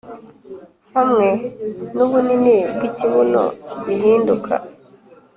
hamwe nubunini bwikibuno gihinduka